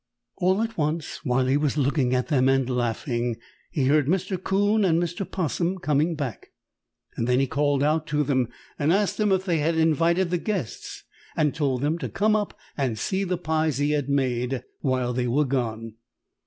All at once, while he was looking at them and laughing, he heard Mr. 'Coon and Mr. 'Possum coming back. Then he called out to them and asked them if they had invited the guests and told them to come up and see the pies he had made while they were gone.